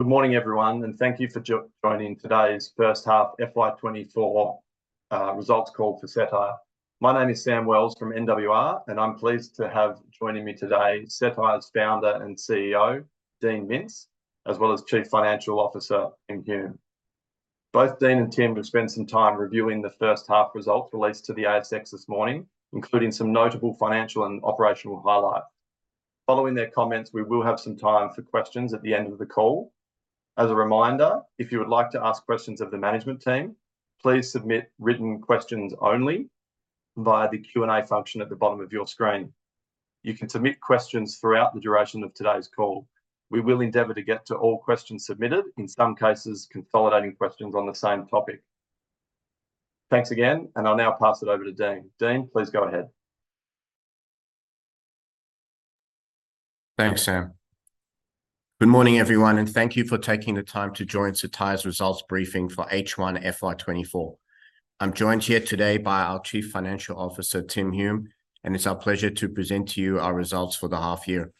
Good morning, everyone, and thank you for joining today's first half FY 2024 results call for Cettire. My name is Sam Wells from NWR, and I'm pleased to have joining me today, Cettire's founder and CEO, Dean Mintz, as well as Chief Financial Officer, Tim Hume. Both Dean and Tim will spend some time reviewing the first half results released to the ASX this morning, including some notable financial and operational highlights. Following their comments, we will have some time for questions at the end of the call. As a reminder, if you would like to ask questions of the management team, please submit written questions only via the Q&A function at the bottom of your screen. You can submit questions throughout the duration of today's call. We will endeavor to get to all questions submitted, in some cases, consolidating questions on the same topic. Thanks again, and I'll now pass it over to Dean. Dean, please go ahead. Thanks, Sam. Good morning, everyone, and thank you for taking the time to join Cettire's results briefing for H1 FY24. I'm joined here today by our Chief Financial Officer, Tim Hume, and it's our pleasure to present to you our results for the half year.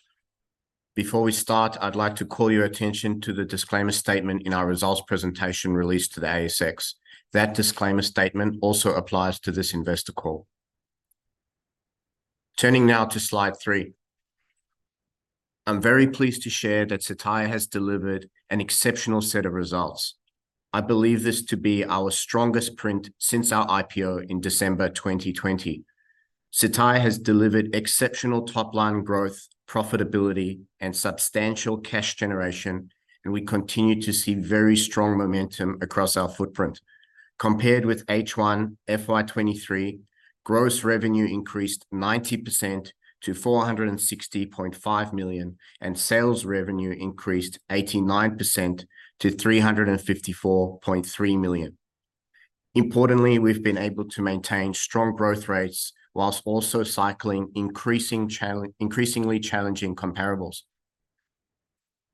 Before we start, I'd like to call your attention to the disclaimer statement in our results presentation released to the ASX. That disclaimer statement also applies to this investor call. Turning now to slide three. I'm very pleased to share that Cettire has delivered an exceptional set of results. I believe this to be our strongest print since our IPO in December 2020. Cettire has delivered exceptional top-line growth, profitability, and substantial cash generation, and we continue to see very strong momentum across our footprint. Compared with H1 FY23, gross revenue increased 90% to 460.5 million, and sales revenue increased 89% to 354.3 million. Importantly, we've been able to maintain strong growth rates while also cycling increasingly challenging comparables.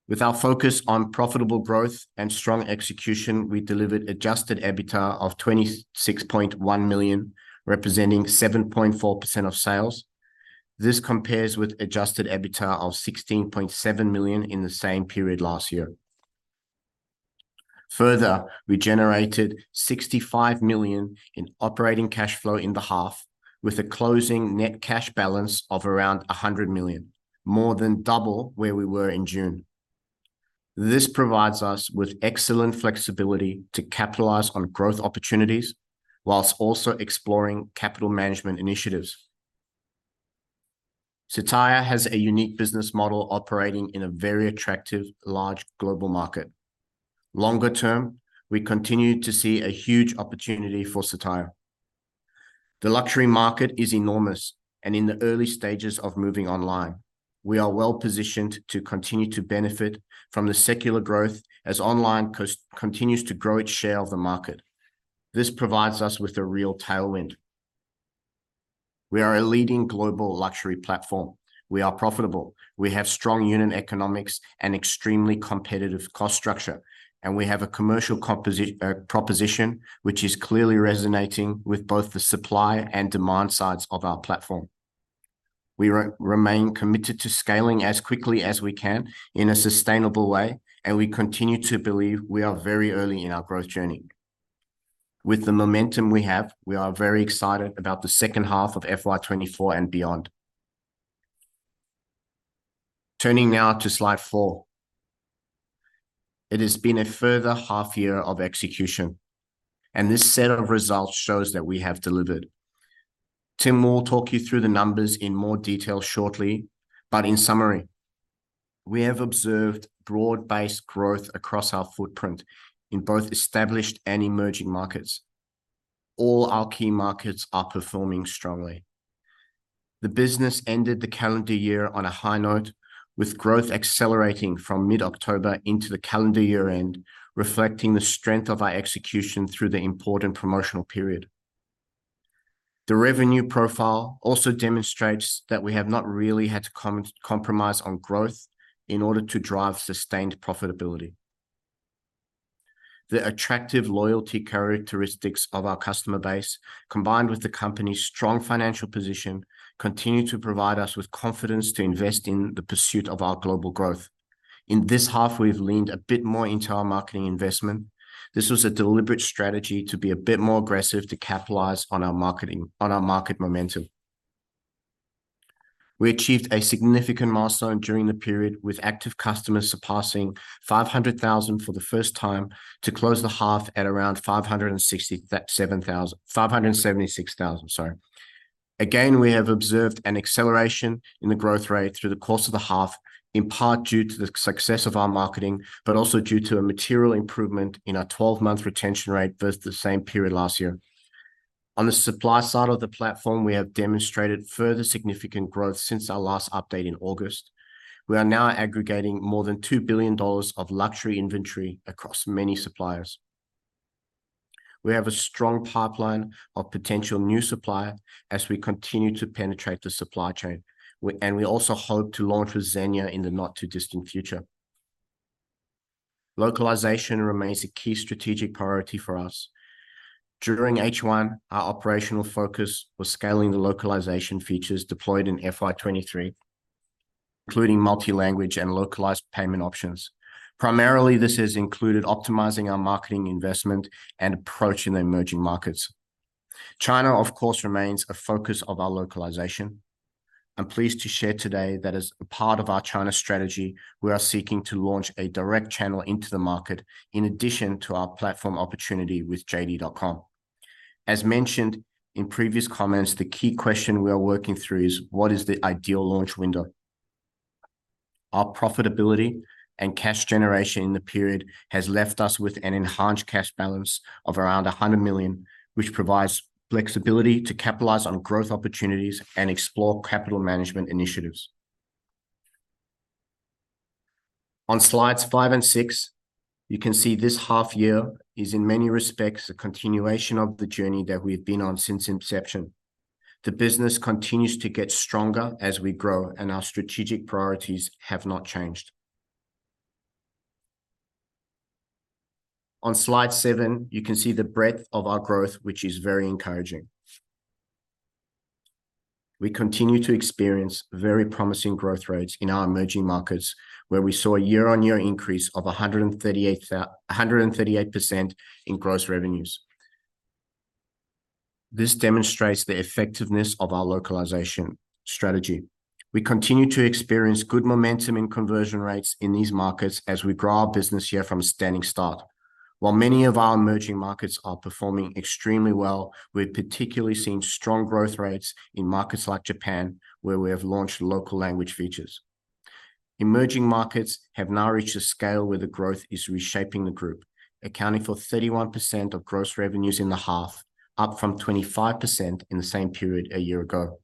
With our focus on profitable growth and strong execution, we delivered Adjusted EBITDA of 26.1 million, representing 7.4% of sales. This compares with Adjusted EBITDA of 16.7 million in the same period last year. Further, we generated 65 million in operating cash flow in the half, with a closing net cash balance of around 100 million, more than double where we were in June. This provides us with excellent flexibility to capitalize on growth opportunities while also exploring capital management initiatives. Cettire has a unique business model operating in a very attractive, large global market. Longer term, we continue to see a huge opportunity for Cettire. The luxury market is enormous and in the early stages of moving online. We are well-positioned to continue to benefit from the secular growth as online continues to grow its share of the market. This provides us with a real tailwind. We are a leading global luxury platform. We are profitable. We have strong unit economics and extremely competitive cost structure, and we have a commercial proposition, which is clearly resonating with both the supply and demand sides of our platform. We remain committed to scaling as quickly as we can in a sustainable way, and we continue to believe we are very early in our growth journey. With the momentum we have, we are very excited about the second half of FY24 and beyond. Turning now to slide four. It has been a further half year of execution, and this set of results shows that we have delivered. Tim will talk you through the numbers in more detail shortly, but in summary, we have observed broad-based growth across our footprint in both established and emerging markets. All our key markets are performing strongly. The business ended the calendar year on a high note, with growth accelerating from mid-October into the calendar year-end, reflecting the strength of our execution through the important promotional period. The revenue profile also demonstrates that we have not really had to compromise on growth in order to drive sustained profitability. The attractive loyalty characteristics of our customer base, combined with the company's strong financial position, continue to provide us with confidence to invest in the pursuit of our global growth. In this half, we've leaned a bit more into our marketing investment. This was a deliberate strategy to be a bit more aggressive to capitalize on our marketing, on our market momentum. We achieved a significant milestone during the period, with active customers surpassing 500,000 for the first time, to close the half at around 567,000... 576,000, sorry. Again, we have observed an acceleration in the growth rate through the course of the half, in part due to the success of our marketing, but also due to a material improvement in our 12-month retention rate versus the same period last year. On the supply side of the platform, we have demonstrated further significant growth since our last update in August. We are now aggregating more than 2 billion dollars of luxury inventory across many suppliers. We have a strong pipeline of potential new supplier as we continue to penetrate the supply chain, and we also hope to launch with Zegna in the not-too-distant future. Localization remains a key strategic priority for us. During H1, our operational focus was scaling the localization features deployed in FY 2023, including multi-language and localized payment options. Primarily, this has included optimizing our marketing investment and approach in the emerging markets. China, of course, remains a focus of our localization. I'm pleased to share today that as a part of our China strategy, we are seeking to launch a direct channel into the market, in addition to our platform opportunity with JD.com. As mentioned in previous comments, the key question we are working through is: what is the ideal launch window? Our profitability and cash generation in the period has left us with an enhanced cash balance of around 100 million, which provides flexibility to capitalize on growth opportunities and explore capital management initiatives. On slides five and six, you can see this half year is, in many respects, a continuation of the journey that we've been on since inception. The business continues to get stronger as we grow, and our strategic priorities have not changed. On slide seven, you can see the breadth of our growth, which is very encouraging. We continue to experience very promising growth rates in our emerging markets, where we saw a year-on-year increase of 138% in gross revenues. This demonstrates the effectiveness of our localization strategy. We continue to experience good momentum in conversion rates in these markets as we grow our business here from a standing start. While many of our emerging markets are performing extremely well, we've particularly seen strong growth rates in markets like Japan, where we have launched local language features. Emerging markets have now reached a scale where the growth is reshaping the group, accounting for 31% of gross revenues in the half, up from 25% in the same period a year ago.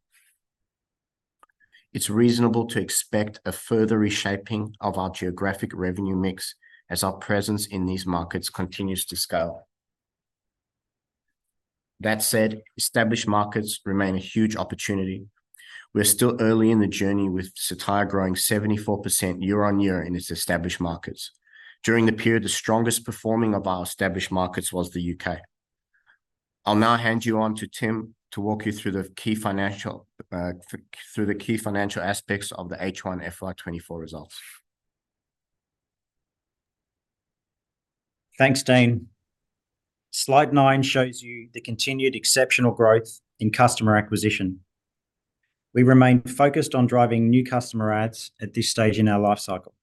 It's reasonable to expect a further reshaping of our geographic revenue mix as our presence in these markets continues to scale. That said, established markets remain a huge opportunity. We're still early in the journey, with Cettire growing 74% year-on-year in its established markets. During the period, the strongest performing of our established markets was the UK. I'll now hand you on to Tim to walk you through the key financial aspects of the H1 FY24 results. Thanks, Dean. Slide nine shows you the continued exceptional growth in customer acquisition. We remain focused on driving new customer adds at this stage in our life cycle.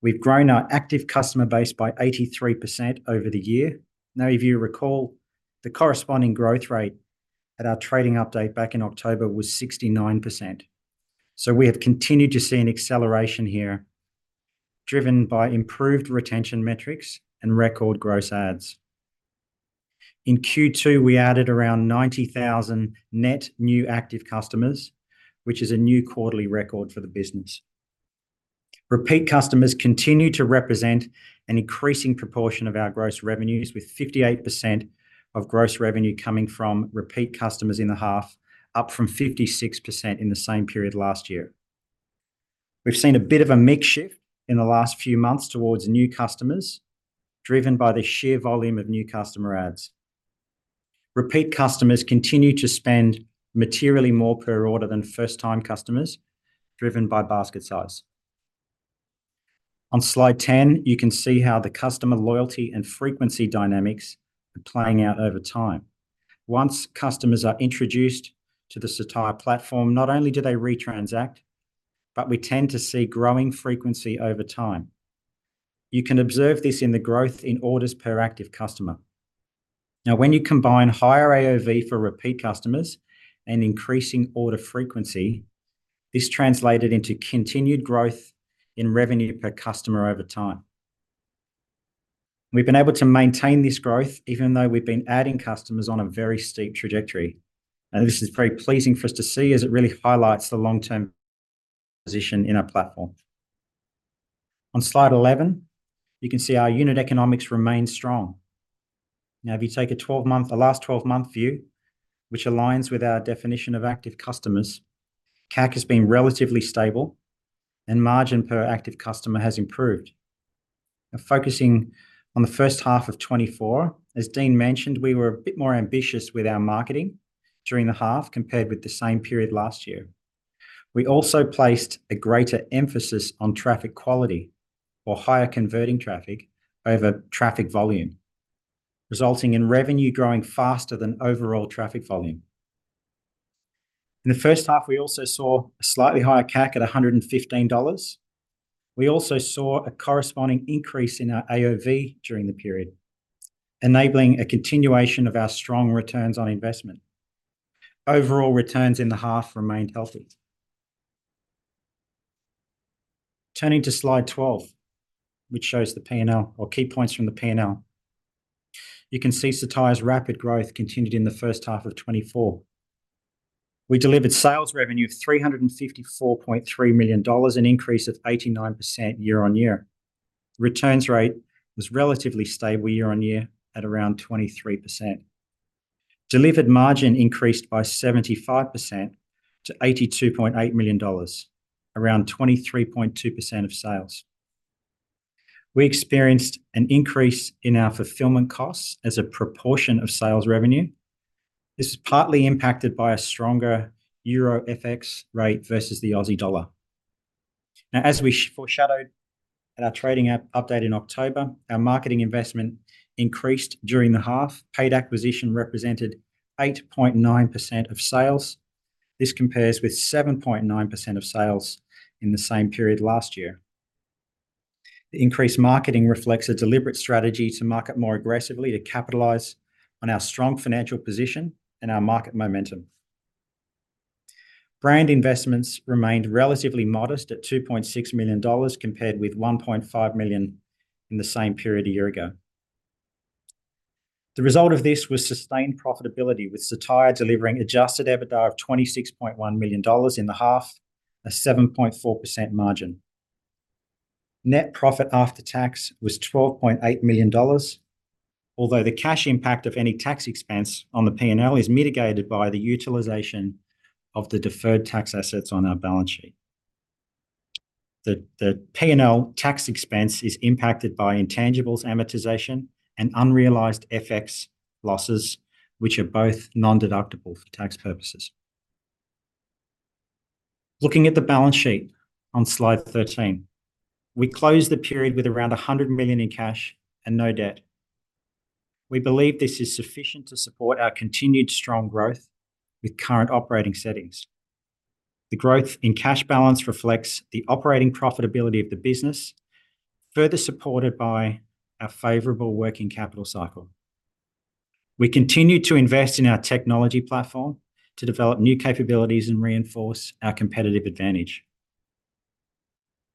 We've grown our active customer base by 83% over the year. Now, if you recall, the corresponding growth rate at our trading update back in October was 69%. So we have continued to see an acceleration here, driven by improved retention metrics and record gross adds. In Q2, we added around 90,000 net new active customers, which is a new quarterly record for the business. Repeat customers continue to represent an increasing proportion of our gross revenues, with 58% of gross revenue coming from repeat customers in the half, up from 56% in the same period last year. We've seen a bit of a mix shift in the last few months towards new customers, driven by the sheer volume of new customer adds. Repeat customers continue to spend materially more per order than first-time customers, driven by basket size. On slide 10, you can see how the customer loyalty and frequency dynamics are playing out over time. Once customers are introduced to the Cettire platform, not only do they re-transact, but we tend to see growing frequency over time. You can observe this in the growth in orders per active customer. Now, when you combine higher AOV for repeat customers and increasing order frequency, this translated into continued growth in revenue per customer over time. We've been able to maintain this growth, even though we've been adding customers on a very steep trajectory. This is very pleasing for us to see, as it really highlights the long-term position in our platform. On slide 11, you can see our unit economics remain strong. Now, if you take a last 12-month view, which aligns with our definition of active customers, CAC has been relatively stable and margin per active customer has improved. Now, focusing on the first half of 2024, as Dean mentioned, we were a bit more ambitious with our marketing during the half, compared with the same period last year. We also placed a greater emphasis on traffic quality or higher converting traffic over traffic volume, resulting in revenue growing faster than overall traffic volume. In the first half, we also saw a slightly higher CAC at 115 dollars. We also saw a corresponding increase in our AOV during the period, enabling a continuation of our strong returns on investment. Overall, returns in the half remained healthy. Turning to slide 12, which shows the P&L or key points from the P&L, you can see Cettire's rapid growth continued in the first half of 2024. We delivered sales revenue of 354.3 million dollars, an increase of 89% year-on-year. Returns rate was relatively stable year-on-year, at around 23%. Delivered margin increased by 75% to 82.8 million dollars, around 23.2% of sales. We experienced an increase in our fulfillment costs as a proportion of sales revenue. This is partly impacted by a stronger Euro FX rate versus the Aussie dollar. Now, as we foreshadowed at our trading update in October, our marketing investment increased during the half. Paid acquisition represented 8.9% of sales. This compares with 7.9% of sales in the same period last year. The increased marketing reflects a deliberate strategy to market more aggressively, to capitalize on our strong financial position and our market momentum. Brand investments remained relatively modest at 2.6 million dollars, compared with 1.5 million in the same period a year ago. The result of this was sustained profitability, with Cettire delivering Adjusted EBITDA of 26.1 million dollars in the half, a 7.4% margin. Net profit after tax was 12.8 million dollars, although the cash impact of any tax expense on the P&L is mitigated by the utilization of the deferred tax assets on our balance sheet. The P&L tax expense is impacted by intangibles, amortization, and unrealized FX losses, which are both non-deductible for tax purposes. Looking at the balance sheet on slide 13, we closed the period with around 100 million in cash and no debt. We believe this is sufficient to support our continued strong growth with current operating settings. The growth in cash balance reflects the operating profitability of the business, further supported by our favorable working capital cycle. We continue to invest in our technology platform to develop new capabilities and reinforce our competitive advantage.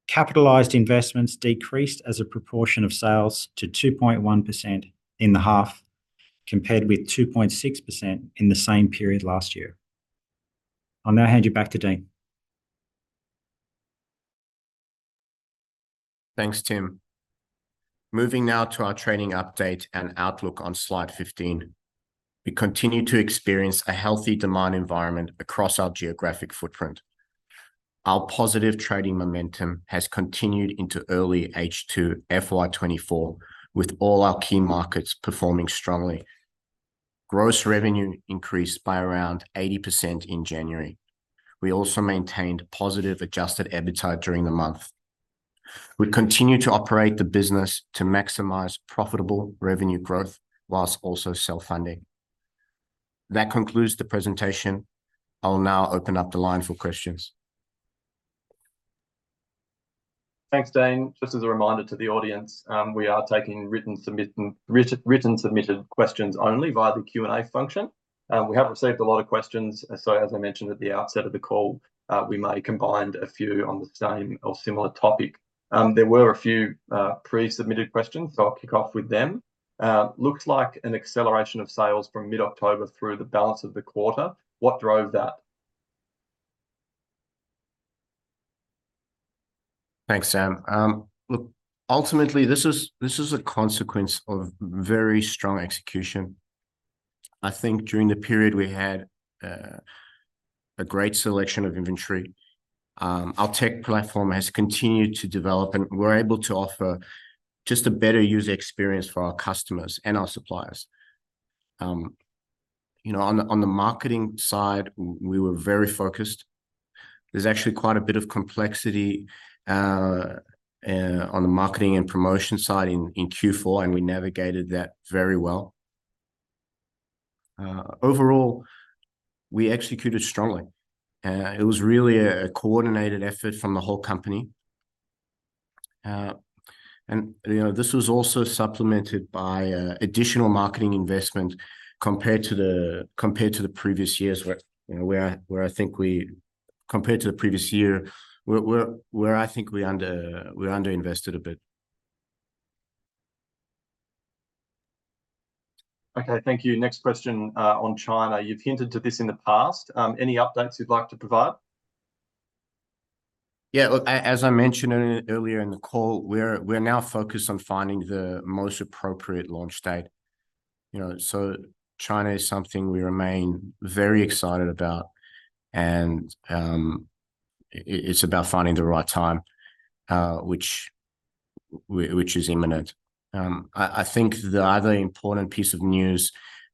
Capitalized investments decreased as a proportion of sales to 2.1% in the half, compared with 2.6% in the same period last year. I'll now hand you back to Dean. Thanks, Tim. Moving now to our trading update and outlook on slide 15. We continue to experience a healthy demand environment across our geographic footprint. Our positive trading momentum has continued into early H2 FY 2024, with all our key markets performing strongly. Gross revenue increased by around 80% in January. We also maintained positive adjusted EBITDA during the month. We continue to operate the business to maximize profitable revenue growth, while also self-funding. That concludes the presentation. I'll now open up the line for questions. Thanks, Dean. Just as a reminder to the audience, we are taking written submission, written, written submitted questions only via the Q&A function. We have received a lot of questions, so as I mentioned at the outset of the call, we may have combined a few on the same or similar topic. There were a few pre-submitted questions, so I'll kick off with them. Looks like an acceleration of sales from mid-October through the balance of the quarter. What drove that? Thanks, Sam. Look, ultimately, this is a consequence of very strong execution. I think during the period we had a great selection of inventory. Our tech platform has continued to develop, and we're able to offer just a better user experience for our customers and our suppliers. You know, on the marketing side, we were very focused. There's actually quite a bit of complexity on the marketing and promotion side in Q4, and we navigated that very well. Overall, we executed strongly. It was really a coordinated effort from the whole company. And, you know, this was also supplemented by additional marketing investment compared to the previous years, where, you know, where I think we... Compared to the previous year, where I think we underinvested a bit. Okay, thank you. Next question on China. You've hinted to this in the past. Any updates you'd like to provide? Yeah, look, as I mentioned earlier in the call, we're, we're now focused on finding the most appropriate launch date. You know, so China is something we remain very excited about, and, it's about finding the right time, which which is imminent. I, I think the other important piece of news,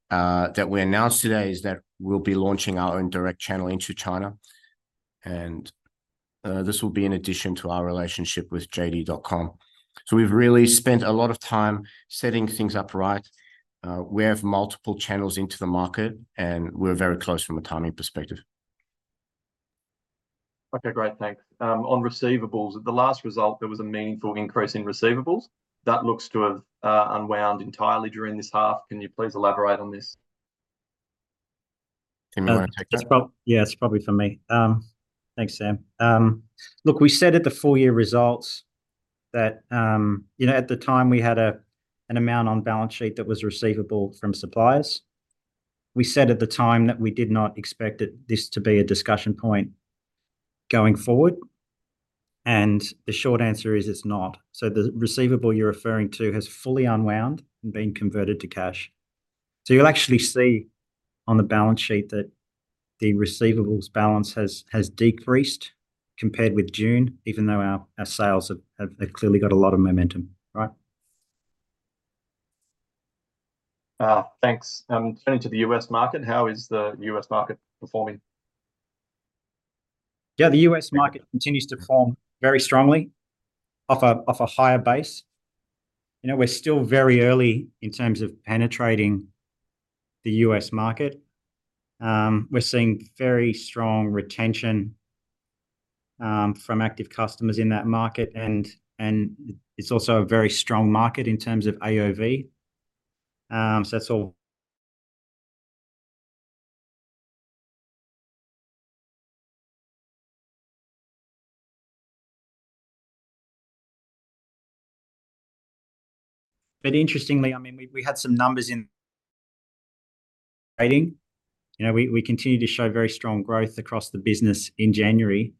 that we announced today is that we'll be launching our own direct channel into China, and, this will be in addition to our relationship with JD.com. So we've really spent a lot of time setting things up right. We have multiple channels into the market, and we're very close from a timing perspective. Okay, great, thanks. On receivables, at the last result, there was a meaningful increase in receivables. That looks to have unwound entirely during this half. Can you please elaborate on this? Tim, you want to take that? Yeah, it's probably for me. Thanks, Sam. Look, we said at the full year results that, you know, at the time, we had an amount on balance sheet that was receivable from suppliers. We said at the time that we did not expect this to be a discussion point going forward, and the short answer is, it's not. So the receivable you're referring to has fully unwound and been converted to cash. So you'll actually see on the balance sheet that the receivables balance has decreased compared with June, even though our sales have clearly got a lot of momentum, right? Thanks. Turning to the U.S. market, how is the U.S. market performing? Yeah, the U.S. market continues to perform very strongly off a higher base. You know, we're still very early in terms of penetrating the U.S. market. We're seeing very strong retention from active customers in that market, and it's also a very strong market in terms of AOV. So that's all. But interestingly, I mean, we had some numbers in trading. You know, we continue to show very strong growth across the business in January,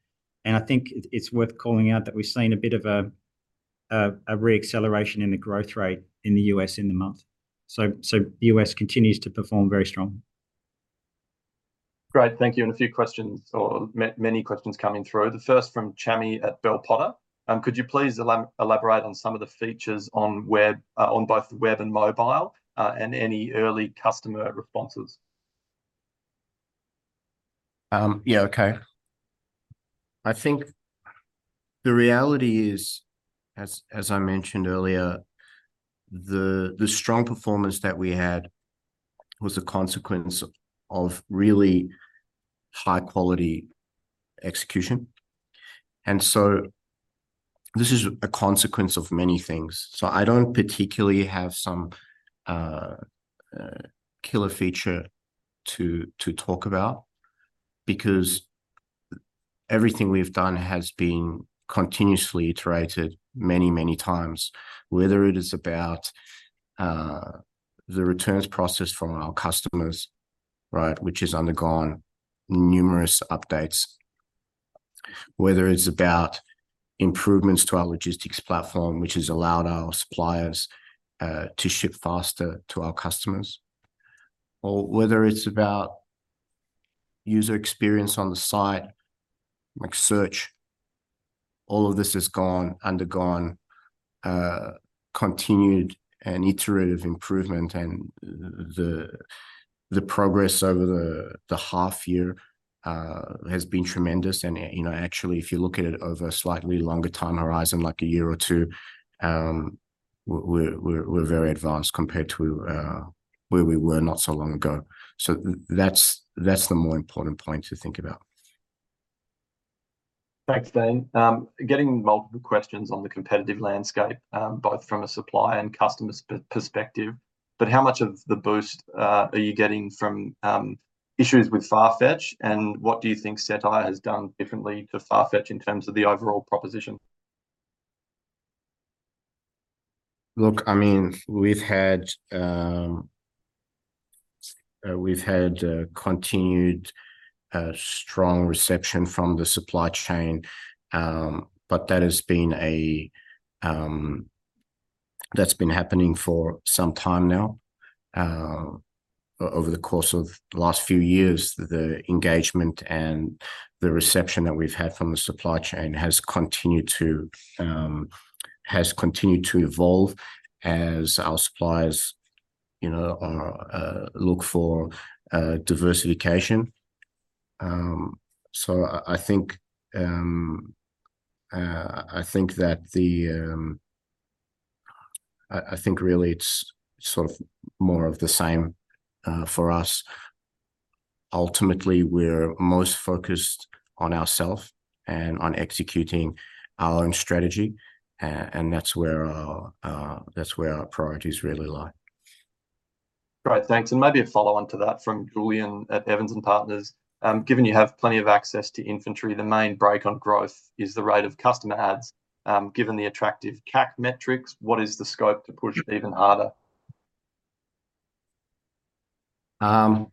and I think it's worth calling out that we've seen a bit of a re-acceleration in the growth rate in the U.S. in the month. So the U.S. continues to perform very strongly. Great, thank you. A few or many questions coming through. The first from Chami at Bell Potter. Could you please elaborate on some of the features on web, on both the web and mobile, and any early customer responses? Yeah, okay. I think the reality is, as I mentioned earlier, the strong performance that we had was a consequence of really high-quality execution, and so this is a consequence of many things. So I don't particularly have some killer feature to talk about because everything we've done has been continuously iterated many, many times. Whether it is about the returns process from our customers, right? Which has undergone numerous updates. Whether it's about improvements to our logistics platform, which has allowed our suppliers to ship faster to our customers, or whether it's about user experience on the site, like search, all of this has undergone continued and iterative improvement. And the progress over the half year has been tremendous. You know, actually, if you look at it over a slightly longer time horizon, like a year or two, we're very advanced compared to where we were not so long ago. So that's the more important point to think about. Thanks, Dean. Getting multiple questions on the competitive landscape, both from a supplier and customer's perspective, but how much of the boost are you getting from issues with Farfetch, and what do you think Cettire has done differently to Farfetch in terms of the overall proposition? Look, I mean, we've had continued strong reception from the supply chain. But that's been happening for some time now. Over the course of the last few years, the engagement and the reception that we've had from the supply chain has continued to evolve as our suppliers, you know, look for diversification. So I, I think, I think really it's sort of more of the same for us. Ultimately, we're most focused on ourself and on executing our own strategy, and that's where our, that's where our priorities really lie. Great, thanks. Maybe a follow-on to that from Julian at Evans and Partners. Given you have plenty of access to inventory, the main brake on growth is the rate of customer adds. Given the attractive CAC metrics, what is the scope to push even harder? I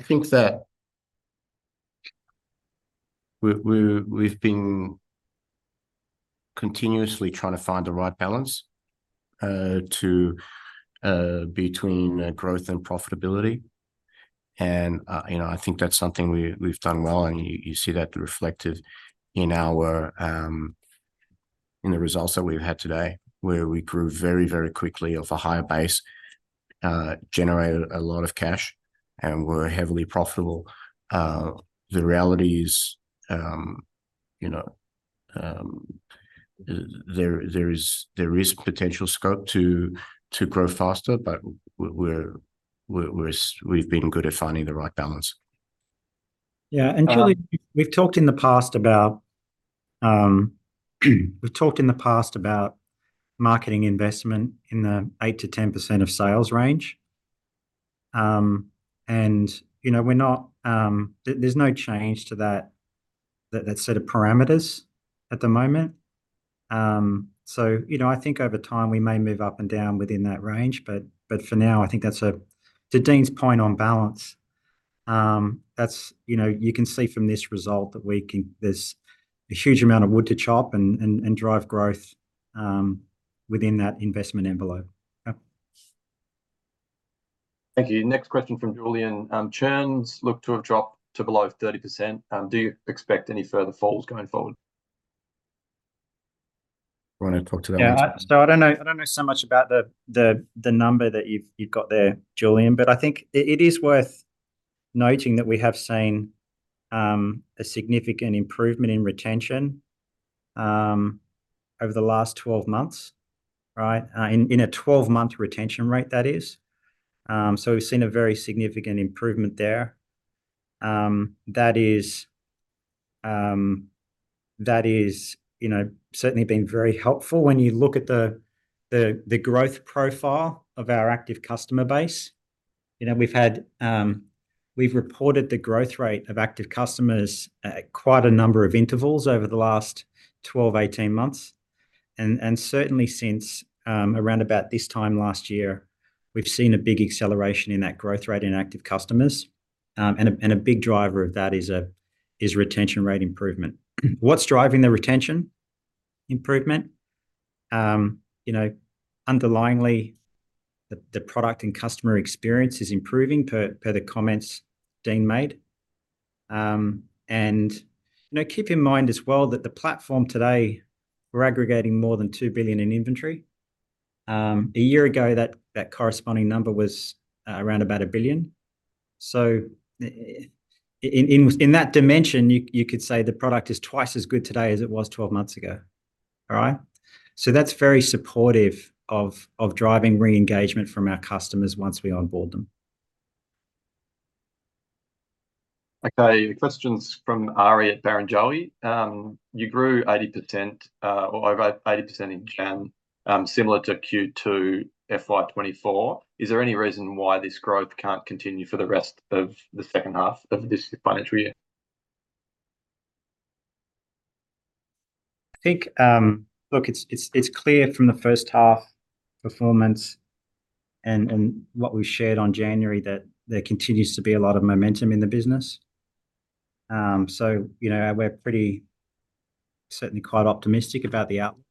think that we've been continuously trying to find the right balance between growth and profitability. You know, I think that's something we've done well, and you see that reflected in our results that we've had today, where we grew very quickly off a higher base, generated a lot of cash, and we're heavily profitable. The reality is, you know, there is potential scope to grow faster, but we've been good at finding the right balance. Yeah, and Julian, we've talked in the past about marketing investment in the 8% to 10% of sales range. And, you know, we're not... There's no change to that set of parameters at the moment. So, you know, I think over time, we may move up and down within that range, but for now, I think that's, to Dean's point on balance, that's, you know, you can see from this result that there's a huge amount of wood to chop and drive growth within that investment envelope. Yeah. Thank you. Next question from Julian. Churns look to have dropped to below 30%. Do you expect any further falls going forward? You wanna talk to that one? Yeah, so I don't know so much about the number that you've got there, Julian. But I think it is worth noting that we have seen a significant improvement in retention over the last 12 months, right? In a 12-month retention rate, that is. So we've seen a very significant improvement there. That is, you know, certainly been very helpful when you look at the growth profile of our active customer base. You know, we've had. We've reported the growth rate of active customers at quite a number of intervals over the last 12, 18 months. And certainly since around about this time last year, we've seen a big acceleration in that growth rate in active customers. A big driver of that is retention rate improvement. What's driving the retention improvement? You know, underlyingly, the product and customer experience is improving, per the comments Dean made. And, you know, keep in mind as well, that the platform today, we're aggregating more than 2 billion in inventory. A year ago, that corresponding number was around about 1 billion. So, in that dimension, you could say the product is twice as good today as it was 12 months ago. All right? So that's very supportive of driving re-engagement from our customers once we onboard them. Okay, the question's from Ari at Barrenjoey. You grew 80% or over 80% in Jan, similar to Q2 FY 2024. Is there any reason why this growth can't continue for the rest of the second half of this financial year? I think, look, it's clear from the first half performance, and what we've shared on January, that there continues to be a lot of momentum in the business. So, you know, we're pretty, certainly quite optimistic about the outlook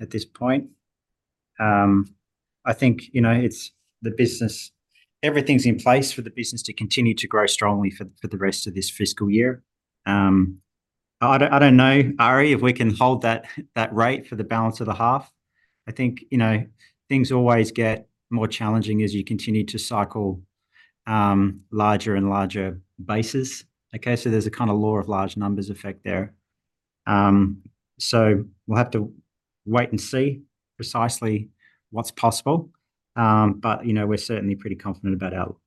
at this point. I think, you know, it's the business. Everything's in place for the business to continue to grow strongly for the rest of this fiscal year. I don't know, Ari, if we can hold that rate for the balance of the half. I think, you know, things always get more challenging as you continue to cycle larger and larger bases. Okay? So there's a kinda law of large numbers effect there. So we'll have to wait and see precisely what's possible, but, you know, we're certainly pretty confident about our outlook.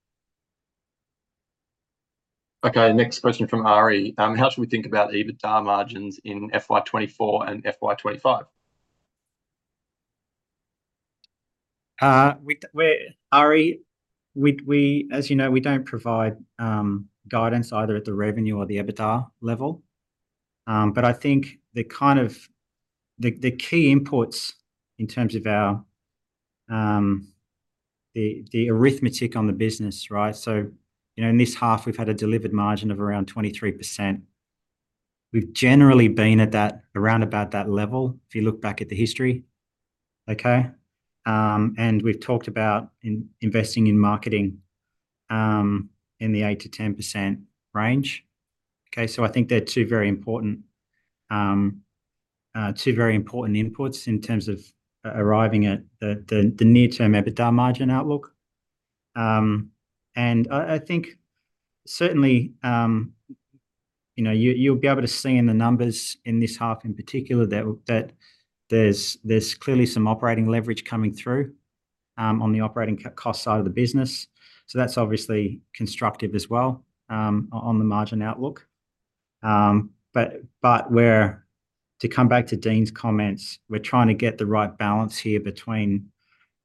Okay, next question from Ari: How should we think about EBITDA margins in FY 2024 and FY 2025? Ari, as you know, we don't provide guidance either at the revenue or the EBITDA level. But I think the kind of the key inputs in terms of our the arithmetic on the business, right? So, you know, in this half, we've had a delivered margin of around 23%. We've generally been at that, around about that level, if you look back at the history. Okay? And we've talked about investing in marketing in the 8% to 10% range. Okay, so I think they're two very important inputs in terms of arriving at the near-term EBITDA margin outlook. I think certainly, you know, you'll be able to see in the numbers in this half in particular that there's clearly some operating leverage coming through on the operating cost side of the business. So that's obviously constructive as well on the margin outlook. But, to come back to Dean's comments, we're trying to get the right balance here between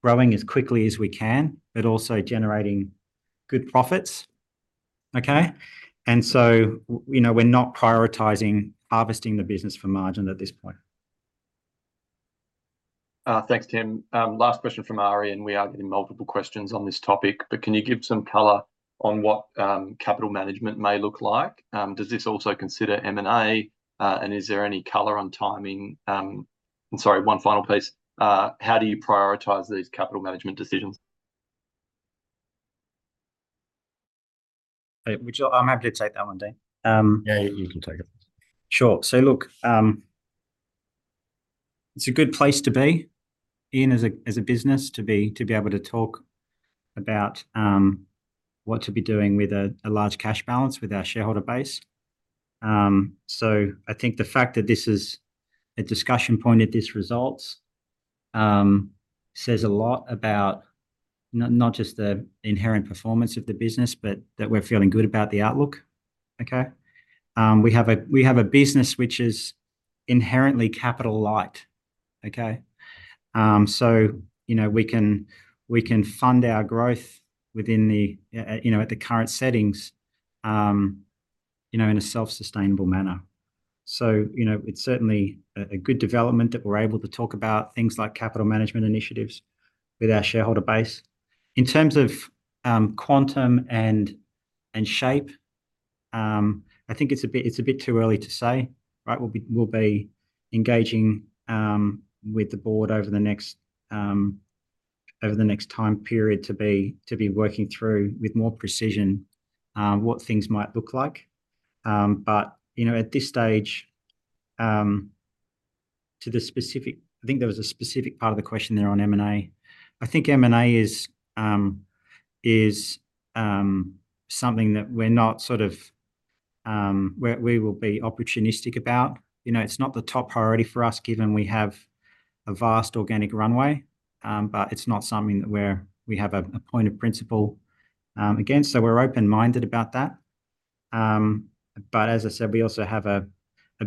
growing as quickly as we can, but also generating good profits. Okay? And so, you know, we're not prioritizing harvesting the business for margin at this point. Thanks, Tim. Last question from Ari, and we are getting multiple questions on this topic, but can you give some color on what capital management may look like? Does this also consider M&A? And is there any color on timing? And sorry, one final piece. How do you prioritise these capital management decisions? would you... I'm happy to take that one, Dean. Yeah, you can take it. Sure. So look, it's a good place to be in, as a business, to be able to talk about what to be doing with a large cash balance with our shareholder base. So I think the fact that this is a discussion point at this results says a lot about not just the inherent performance of the business, but that we're feeling good about the outlook. Okay? We have a business which is inherently capital light. Okay? So, you know, we can fund our growth within the, you know, at the current settings, you know, in a self-sustainable manner... So, you know, it's certainly a good development that we're able to talk about things like capital management initiatives with our shareholder base. In terms of quantum and shape, I think it's a bit too early to say, right? We'll be engaging with the board over the next time period to be working through with more precision what things might look like. But you know, at this stage, I think there was a specific part of the question there on M&A. I think M&A is something that we will be opportunistic about. You know, it's not the top priority for us, given we have a vast organic runway. But it's not something that we have a point of principle against, so we're open-minded about that. But as I said, we also have a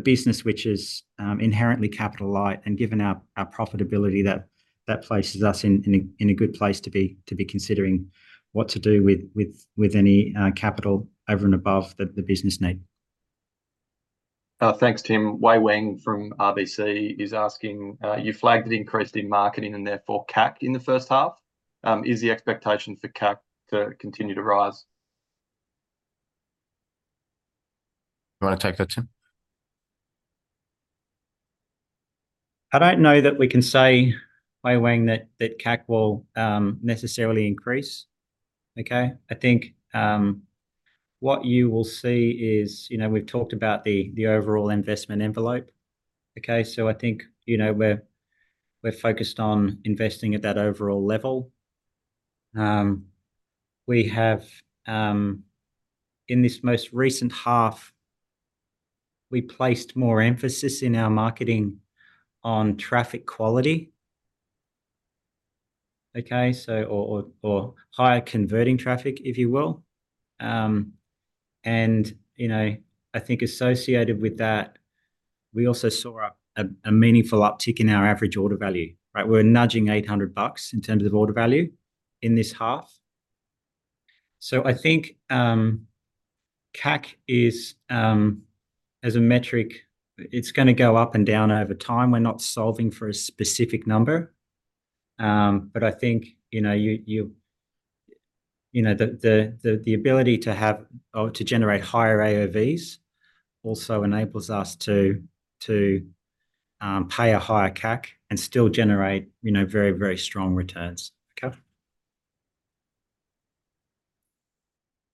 business which is inherently capital light, and given our profitability, that places us in a good place to be considering what to do with any capital over and above the business need. Thanks, Tim. Wei Weng from RBC is asking: "You flagged an increase in marketing and therefore CAC in the first half. Is the expectation for CAC to continue to rise? You want to take that, Tim? I don't know that we can say, Wei Weng, that CAC will necessarily increase. Okay? I think what you will see is, you know, we've talked about the overall investment envelope. Okay? So I think, you know, we're focused on investing at that overall level. We have... In this most recent half, we placed more emphasis in our marketing on traffic quality. Okay? So, or higher converting traffic, if you will. And, you know, I think associated with that, we also saw a meaningful uptick in our average order value, right? We're nudging $800 in terms of order value in this half. So I think CAC is, as a metric, it's gonna go up and down over time. We're not solving for a specific number. But I think, you know, the ability to have or to generate higher AOVs also enables us to pay a higher CAC and still generate, you know, very, very strong returns. Okay?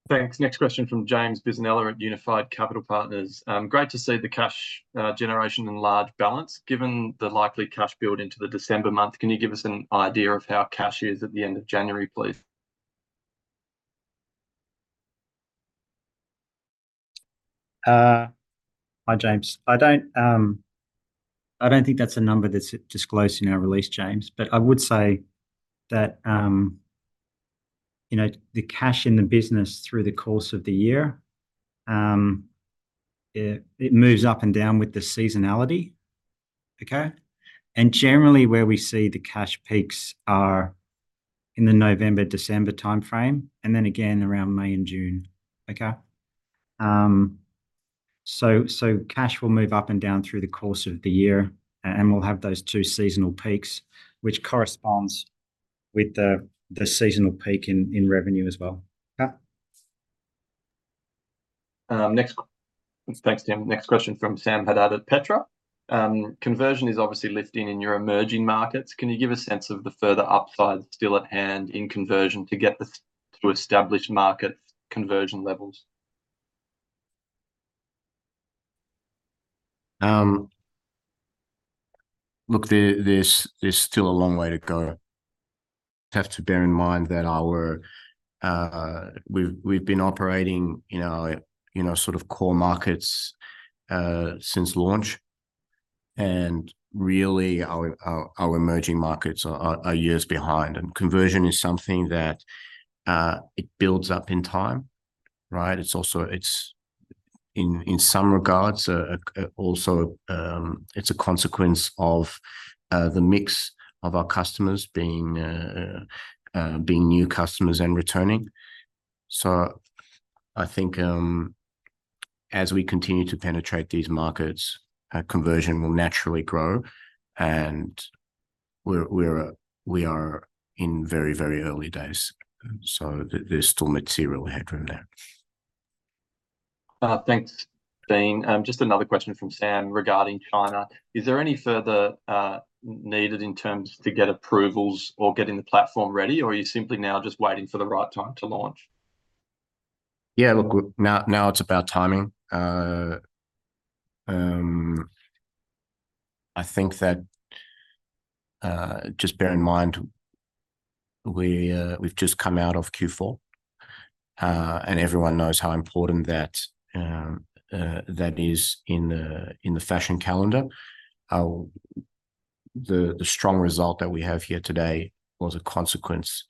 Thanks. Next question from James Bisinella at Unified Capital Partners. Great to see the cash generation in large balance. Given the likely cash build into the December month, can you give us an idea of how cash is at the end of January, please? Hi, James. I don't think that's a number that's disclosed in our release, James, but I would say that, you know, the cash in the business through the course of the year, it moves up and down with the seasonality. Okay? And generally, where we see the cash peaks are in the November-December timeframe, and then again around May and June. Okay? So, cash will move up and down through the course of the year, and we'll have those two seasonal peaks, which corresponds with the seasonal peak in revenue as well. Yeah. Next... Thanks, Tim. Next question from Sam Haddad at Petra. Conversion is obviously lifting in your emerging markets. Can you give a sense of the further upside still at hand in conversion to get to established market conversion levels? Look, there's still a long way to go. Have to bear in mind that we've been operating in our, you know, sort of core markets since launch, and really our emerging markets are years behind. And conversion is something that it builds up in time, right? It's also. It's in some regards also a consequence of the mix of our customers being new customers and returning. So I think as we continue to penetrate these markets, conversion will naturally grow, and we are in very, very early days, so there's still material headroom there. Thanks, Dean. Just another question from Sam regarding China. Is there any further needed in terms to get approvals or getting the platform ready, or are you simply now just waiting for the right time to launch? Yeah, look, now, now it's about timing. I think that... Just bear in mind we've just come out of Q4, and everyone knows how important that is in the fashion calendar. The strong result that we have here today was a consequence,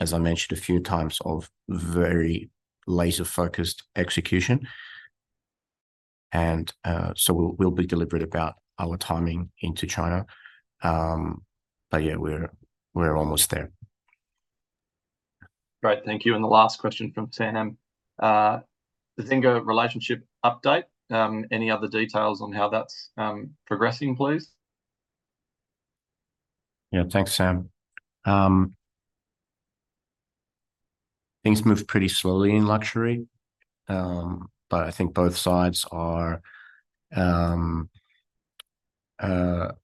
as I mentioned a few times, of very laser-focused execution, and so we'll be deliberate about our timing into China. But yeah, we're almost there.... Great. Thank you. And the last question from Sam, the Zegna relationship update, any other details on how that's progressing, please? Yeah. Thanks, Sam. Things move pretty slowly in luxury, but I think both sides are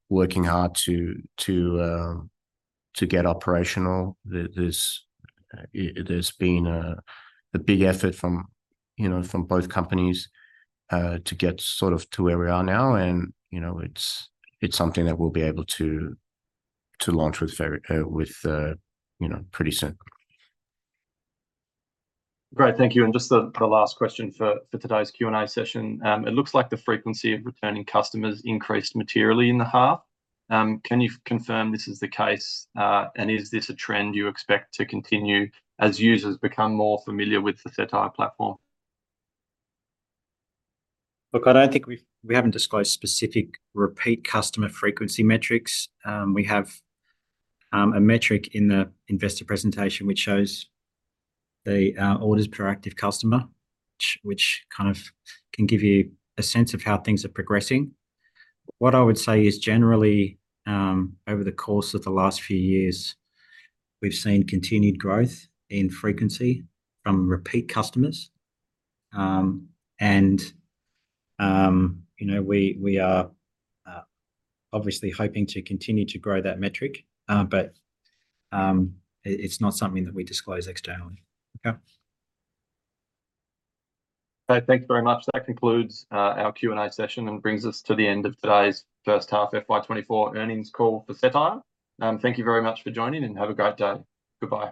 working hard to get operational. There's been a big effort from, you know, from both companies to get sort of to where we are now. You know, it's something that we'll be able to launch with very, you know, pretty soon. Great. Thank you. And just the last question for today's Q&A session. It looks like the frequency of returning customers increased materially in the half. Can you confirm this is the case, and is this a trend you expect to continue as users become more familiar with the Cettire platform? Look, I don't think we've disclosed specific repeat customer frequency metrics. We have a metric in the investor presentation which shows the orders per active customer, which kind of can give you a sense of how things are progressing. What I would say is, generally, over the course of the last few years, we've seen continued growth in frequency from repeat customers. And, you know, we are obviously hoping to continue to grow that metric, but it's not something that we disclose externally. Okay? Okay. Thank you very much. That concludes our Q&A session and brings us to the end of today's first half FY24 earnings call for Cettire. Thank you very much for joining, and have a great day. Goodbye.